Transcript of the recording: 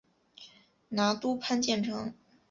拿督潘健成